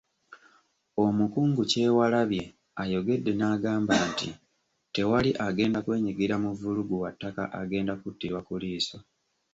Omukungu Kyewalabye ayogedde n’agamba nti tewali agenda kwenyigira mu vvulugu wa ttaka agenda kuttirwa ku liiso.